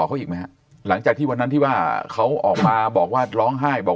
เขาอีกไหมฮะหลังจากที่วันนั้นที่ว่าเขาออกมาบอกว่าร้องไห้บอก